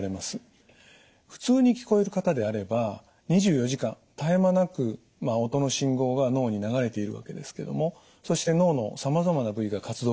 普通に聞こえる方であれば２４時間絶え間なく音の信号が脳に流れているわけですけどもそして脳のさまざまな部位が活動します。